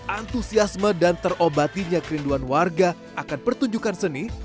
antusiasme dan terobatinya kerinduan warga akan pertunjukan seni